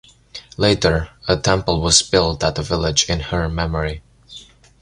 Later a temple was built at the village in her memory.